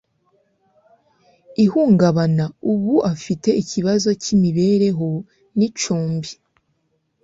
ihungabana ubu afite ikibazo cy imibereho n icumbi